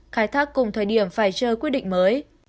khai thác cùng thời điểm phải chờ quyết định mới